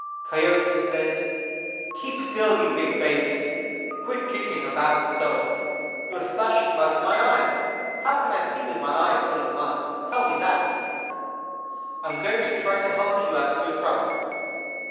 "Coyote said: 'Keep still, you big baby. Quit kicking about so. You are splashing mud in my eyes. How can I see with my eyes full of mud? Tell me that. I am going to try to help you out of your trouble.'